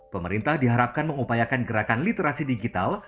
pemerintah diharapkan mengupayakan gerakan literasi digital